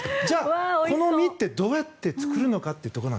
じゃあ、この実ってどうやって作るのかと。